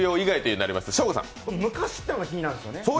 昔っていうのが気になるんですよね。